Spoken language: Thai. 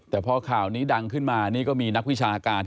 แต่พอข่าวนี้ดังขึ้นมานี่ก็มีนักวิชาการ